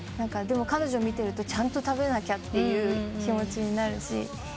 でも彼女見てるとちゃんと食べなきゃっていう気持ちになるし。